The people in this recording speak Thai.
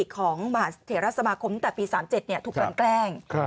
ของเถรสมาคมตั้งแต่ปี๑๙๓๗เนี่ยถูกกันแกล้ง